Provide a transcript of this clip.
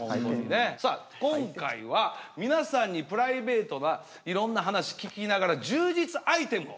今回は皆さんにプライベートないろんな話聞きながら充実アイテムを。